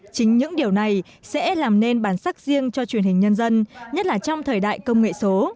chính những điều này sẽ làm nên bản sắc riêng cho truyền hình nhân dân nhất là trong thời đại công nghệ số